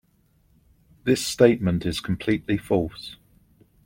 This statement is completely false.